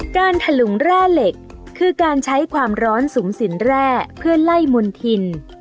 ถลุงแร่เหล็กคือการใช้ความร้อนสูงสินแร่เพื่อไล่มนธิน